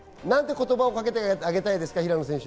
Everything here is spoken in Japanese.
言葉をかけてあげたいですか？